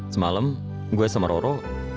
semalam gue sama roro